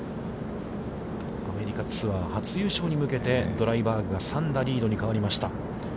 アメリカツアー初優勝に向けて、ドライバーグが３打リードに変わりました。